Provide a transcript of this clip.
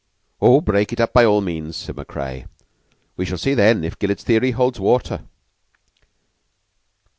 "Oh, break it up by all means," said Macrea. "We shall see then if Gillett's theory holds water."